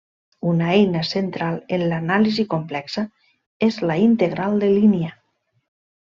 Una eina central en l'anàlisi complexa és la integral de línia.